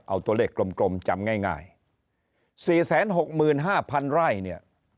เอาตัวเลขกลมจำง่าย๔๖๕๐๐๐ไร่เนี่ย